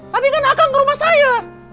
tadi kan datang ke rumah saya